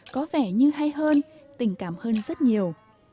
có vẻ như hay hơn tình cảm hơn rất nhiều